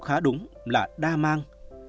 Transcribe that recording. khá đúng là đa mang